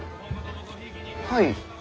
はい？